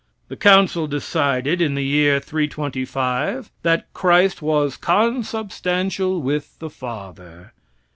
The council decided, in the year 325, that Christ was consubstantial with the Father.